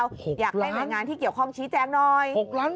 ๖ล้าน๖ล้าน๗เลยเหรออยากได้แม่งานที่เกี่ยวข้องชี้แจ๊งหน่อย